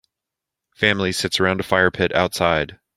Family sits around a fire pit outside.